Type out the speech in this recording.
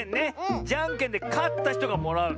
じゃんけんでかったひとがもらう。